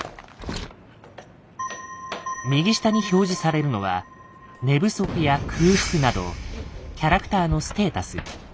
右下に表示されるのは寝不足や空腹などキャラクターのステータス。